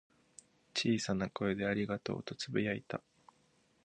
小さな声で「ありがとう」とつぶやいた。